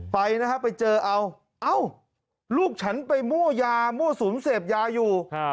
ไปนะครับไปเจอเอาเอ้าลูกฉันไปมั่วยามั่วสุมเสพยาอยู่